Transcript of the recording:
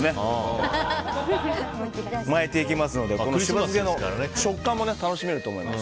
巻いていきますので食感も楽しめると思います。